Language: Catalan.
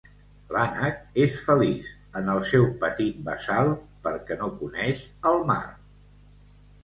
L'ànec és feliç en el seu petit bassal perquè no coneix el mar.